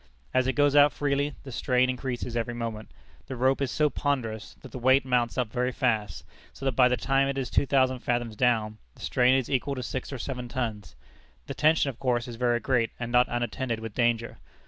As it goes out freely, the strain increases every moment. The rope is so ponderous, that the weight mounts up very fast, so that by the time it is two thousand fathoms down, the strain is equal to six or seven tons. The tension of course is very great, and not unattended with danger.